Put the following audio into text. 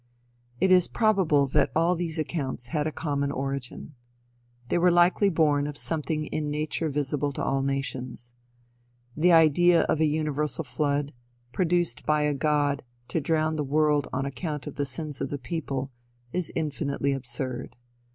It is probable that all these accounts had a common origin. They were likely born of something in nature visible to all nations. The idea of a universal flood, produced by a god to drown the world on account of the sins of the people, is infinitely absurd.